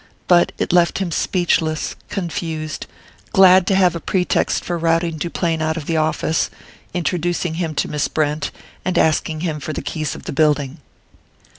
But it left him speechless, confused glad to have a pretext for routing Duplain out of the office, introducing him to Miss Brent, and asking him for the keys of the buildings....